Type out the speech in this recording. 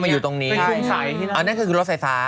เอาอยู่ทานนี้ก็คือรถไฟฟ้า